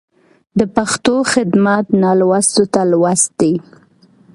د پښتو خدمت نالوستو ته لوست دی.